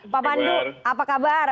pak pandu apa kabar